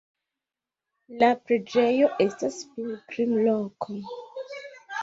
La preĝejo estas pilgrimloko.